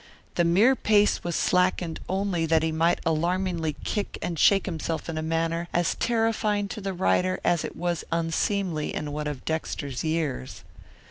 The mere pace was slackened only that he might alarmingly kick and shake himself in a manner as terrifying to the rider as it was unseemly in one of Dexter's years.